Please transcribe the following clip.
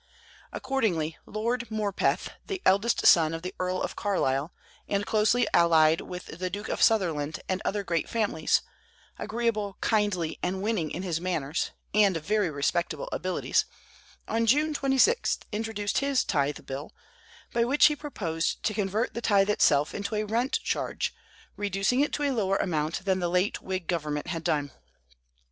Accordingly, Lord Morpeth, the eldest son of the Earl of Carlisle, and closely allied with the Duke of Sutherland and other great families, agreeable, kindly, and winning in his manners, and of very respectable abilities, on June 26 introduced his Tithe Bill, by which he proposed to convert the tithe itself into a rent charge, reducing it to a lower amount than the late Whig government had done.